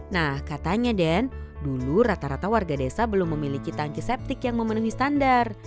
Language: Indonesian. nah katanya den dulu rata rata warga desa belum memiliki tangki septik yang memenuhi standar